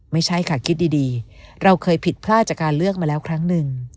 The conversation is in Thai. ไม่ใช่ค่ะคิดดีเราเคยผิดพลาดจากการเลือกมาแล้วครั้งหนึ่ง